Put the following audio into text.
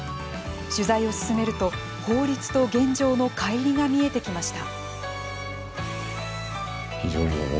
取材を進めると法律と現状のかい離が見えてきました。